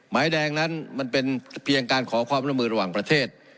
หมายแดงนั้นมันเป็นเพียงการขอความร่วมมือระหว่างประเทศ